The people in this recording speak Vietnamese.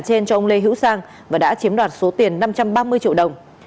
trên cho ông lê hữu sang và đã chiếm đoạt số tiền năm trăm ba mươi triệu đồng